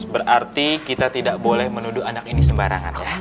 berarti kita tidak boleh menuduh anak ini sembarangan